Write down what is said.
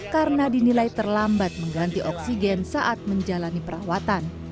karena dinilai terlambat mengganti oksigen saat menjalani perawatan